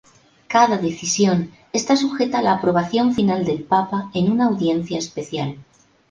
Cada decisión está sujeta a la aprobación final del Papa en una audiencia especial.